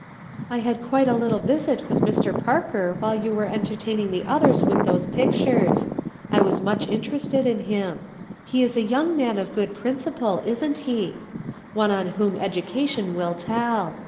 "I had quite a little visit with Mr. Parker while you were entertaining the others with those pictures; I was much interested in him; he is a young man of good principle, isn't he? One on whom education will tell.